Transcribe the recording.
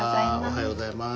おはようございます。